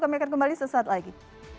kami akan kembali sesaat lagi